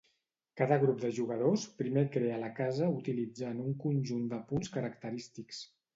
Cada grup de jugadors primer crea la casa utilitzant un conjunt de punts característics.